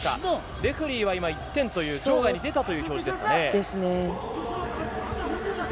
レフェリーは１点、場外に出たという表示です。